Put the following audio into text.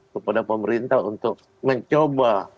kepada pemerintah untuk mencoba